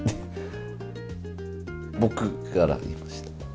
僕から言いました。